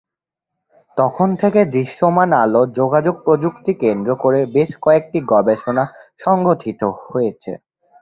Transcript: তখন থেকে দৃশ্যমান আলো যোগাযোগ প্রযুক্তি কেন্দ্র করে বেশ কয়েকটি গবেষণা সংগঠিত হয়েছে।